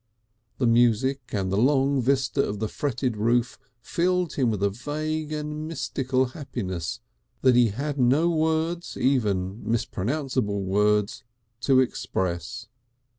The music and the long vista of the fretted roof filled him with a vague and mystical happiness that he had no words, even mispronounceable words, to express.